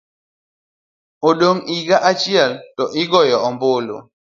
odong' higa achiel to igoyo ombulu.